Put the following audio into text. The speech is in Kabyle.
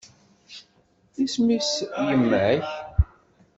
Isem-is i yemma-k?